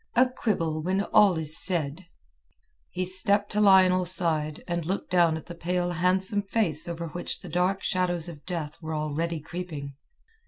"A quibble, when all is said." He stepped to Lionel's side, and looked down at the pale handsome face over which the dark shadows of death were already creeping.